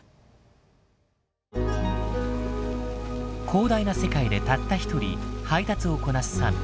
広大な世界でたった一人配達をこなすサム。